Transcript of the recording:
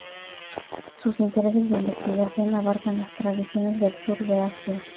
Sus intereses de investigación abarcan las tradiciones del sur de Asia.